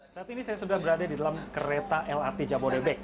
saat ini saya sudah berada di dalam kereta lrt jabodebek